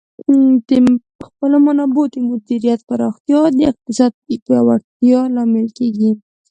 د خپلو منابعو د مدیریت پراختیا د اقتصاد پیاوړتیا لامل کیږي.